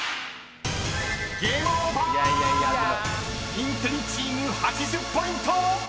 ［インテリチーム８０ポイント！］